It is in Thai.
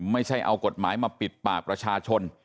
ไม่ใช่เอากฎหมายมาปิดปากประชาชน